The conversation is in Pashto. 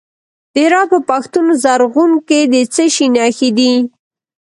د هرات په پښتون زرغون کې د څه شي نښې دي؟